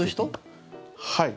はい。